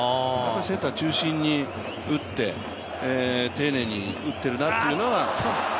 センター中心に打って、丁寧に打っているなっていうのは。